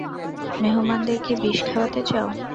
মেহমানদের কি বিষ খাওয়াতে চাও?